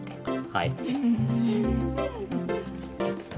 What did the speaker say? はい。